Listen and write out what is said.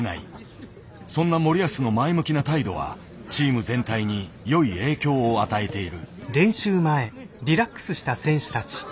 そんな森保の前向きな態度はチーム全体によい影響を与えている。